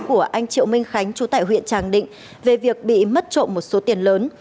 của anh triệu minh khánh chú tại huyện tràng định về việc bị mất trộm một số tiền lớn